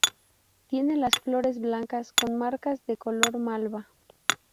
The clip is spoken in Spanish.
Tiene las flores blancas con marcas de color malva.